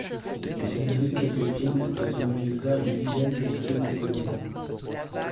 Il scénarisa quelques films et sonorisa une dizaine de films polonais.